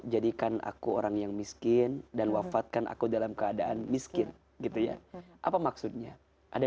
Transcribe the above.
jadikan aku orang yang miskin dan wafatkan aku dalam keadaan miskin gitu ya apa maksudnya ada